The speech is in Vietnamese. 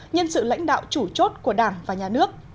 nhân sự lãnh đạo chủ chốt của đảng và nhà nước